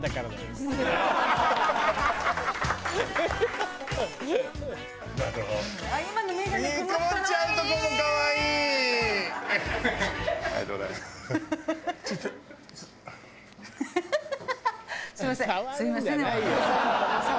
すみませんすみません。